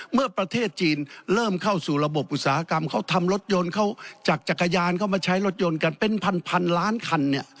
เมื่อประเทศจีนเริ่มเข้าสู่ระบบอุตสาหกรรมเขาทำรถยนต์เขาจากจักรยานเข้ามาใช้รถยนต์กันเป็นพันล้านคัน